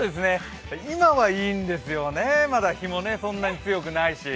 今はいいんですよね、まだ日もそんなに強くないし。